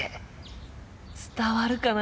伝わるかな？